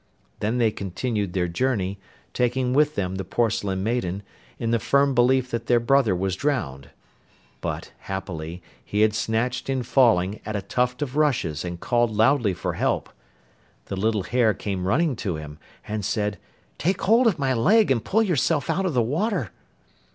Then they continued their journey, taking with them the Porcelain Maiden, in the firm belief that their brother was drowned. But, happily, he had snatched in falling at a tuft of rushes and called loudly for help. The little hare came running to him, and said 'Take hold of my leg and pull yourself out of the water.